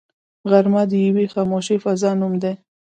غرمه د یوې خاموشې فضا نوم دی